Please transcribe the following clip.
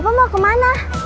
papa mau kemana